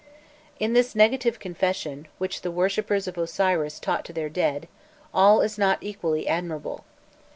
'" In this "Negative Confession," which the worshippers of Osiris taught to their dead, all is not equally admirable.